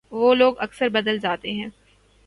وہ لوگ اکثر بدل جاتے ہیں